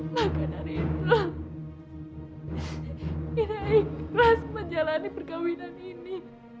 maka dari itu inah ikhlas menjalani perkahwinan ini